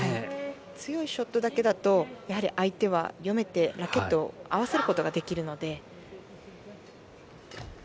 強いショットだけだと相手は読めてラケットを合わせることができるので。